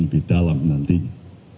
di dalam nantinya